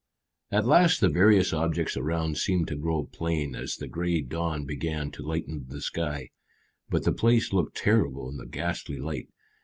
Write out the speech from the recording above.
At last the various objects around seemed to grow plain as the grey dawn began to lighten the sky; but the place looked terrible in the ghastly light.